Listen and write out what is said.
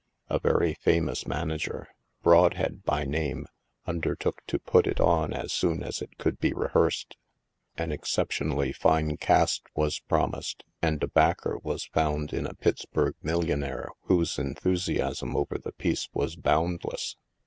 A very famous manager — Brodhead by name — undertook to put it on as soon as it could be rehearsed. An excep tionally fine cast was promised, and a backer was found in a Pittsburgh millionaire whose enthusiasm over the piece was boundless.